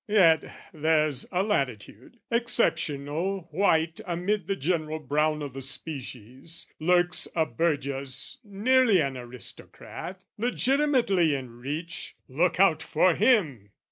Yet there's a latitude: exceptional white Amid the general brown o' the species, lurks A burgess nearly an aristocrat, Legitimately in reach: look out for him!